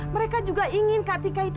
mereka juga ingin kak tika itu